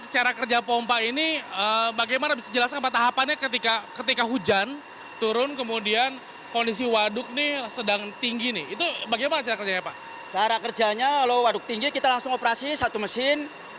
cara kerjanya kalau waduk tinggi kita langsung operasi satu mesin